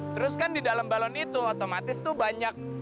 terus kan di dalam balon itu otomatis tuh banyak